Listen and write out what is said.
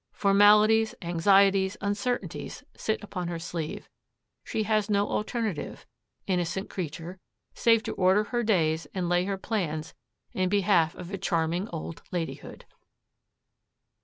Formalities, anxieties, uncertainties, sit upon her sleeve. She has no alternative, innocent creature, save to order her days and lay her plans in behalf of a charming old ladyhood.